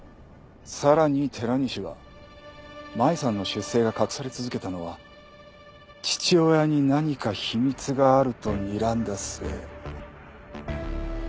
さらに寺西は麻衣さんの出生が隠され続けたのは父親に何か秘密があるとにらんだ末。